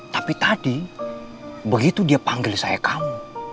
tapi tadi begitu dia panggil saya kamu